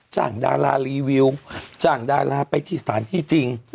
ดารารีวิวจ้างดาราไปที่สถานที่จริง